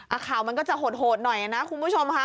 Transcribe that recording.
ข่าวมันก็จะโหดหน่อยนะคุณผู้ชมค่ะ